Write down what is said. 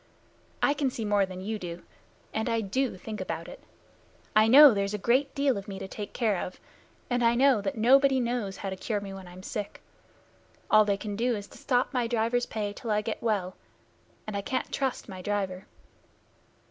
"I can see more than you, and I do think about it. I know there's a great deal of me to take care of, and I know that nobody knows how to cure me when I'm sick. All they can do is to stop my driver's pay till I get well, and I can't trust my driver."